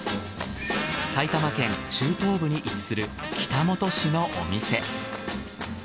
埼玉県中東部に位置する北本市のお店。